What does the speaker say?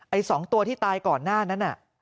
๒ตัวที่ตายก่อนหน้านั้นน่ะ